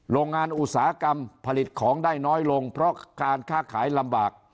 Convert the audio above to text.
โรงงานอุตสาหกรรมผลิตของได้น้อยลงเพราะการค้าขายลำบาก